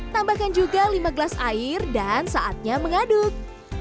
tambahkan juga lima gelas air dan saatnya mengaduk